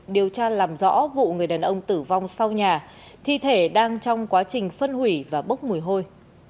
điều tra làm rõ vụ người đàn ông tử vong sau nhà thi thể đang trong quá trình phân hủy và bốc mùi hôi